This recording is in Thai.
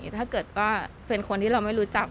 ถ้าเกิดว่าเป็นคนที่เราไม่รู้จัก